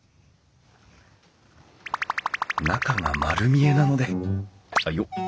中が丸見えなのであよっ。